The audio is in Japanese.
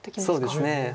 そうですね。